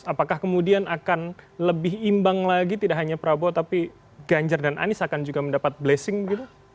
apakah kemudian akan lebih imbang lagi tidak hanya prabowo tapi ganjar dan anies akan juga mendapat blessing gitu